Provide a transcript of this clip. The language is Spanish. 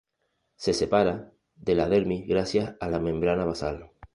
Se separa de la dermis gracias a la membrana basal.